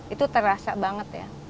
itu terasa banget ya